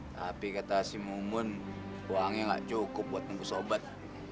tapi kata si mumun uangnya gak cukup buat nunggu sobat